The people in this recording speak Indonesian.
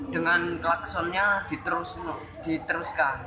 dengan klaksonnya diteruskan